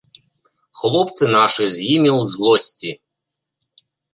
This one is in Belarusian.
Хлопцы нашы з імі ў злосці.